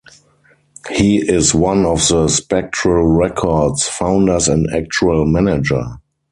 He is one of the Spectral Records founders and actual manager.